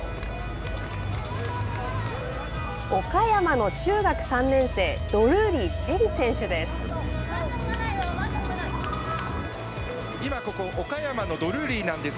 岡山の中学３年生ドルーリー朱瑛里選手です。